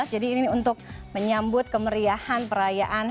ini untuk menyambut kemeriahan perayaan